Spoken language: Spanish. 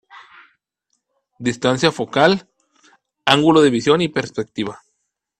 Distancia focal, ángulo de visión y perspectiva